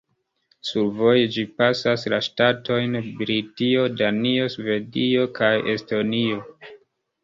Survoje ĝi pasas la ŝtatojn Britio, Danio, Svedio kaj Estonio.